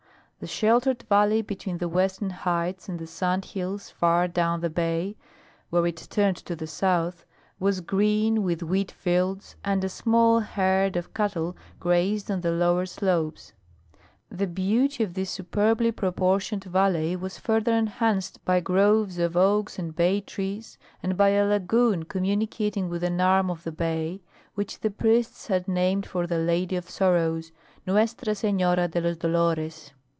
The sheltered valley between the western heights and the sand hills far down the bay where it turned to the south, was green with wheat fields, and a small herd of cattle grazed on the lower slopes. The beauty of this superbly proportioned valley was further enhanced by groves of oaks and bay trees, and by a lagoon, communicating with an arm of the bay, which the priests had named for their Lady of Sorrows Nuestra Senora de los Dolores.